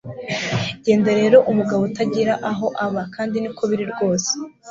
Genda rero umugabo utagira aho aba kandi niko biri rwose